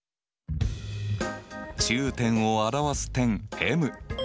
中点を表す点Ｍ。